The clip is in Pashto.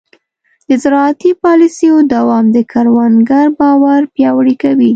د زراعتي پالیسیو دوام د کروندګر باور پیاوړی کوي.